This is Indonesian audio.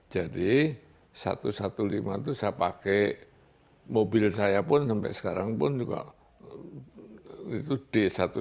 jadi satu ratus lima belas itu saya pakai mobil saya pun sampai sekarang pun juga itu d satu ratus lima belas